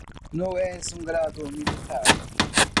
No es un grado militar.